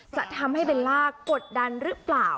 จะทำให้เบลล่ากดดันหรือเปล่า